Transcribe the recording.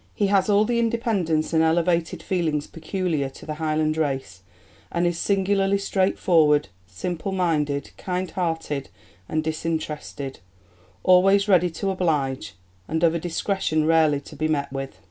"He has all the independence and elevated feelings peculiar to the Highland race, and is singularly straightforward, simple minded, kind hearted and disinterested; always ready to oblige; and of a discretion rarely to be met with."